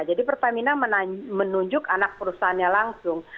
jadi pertamina menunjuk anak perusahaannya langsung